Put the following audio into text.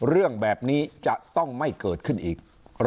เรื่องแบบนี้จะต้องไม่เกิดขึ้นอีก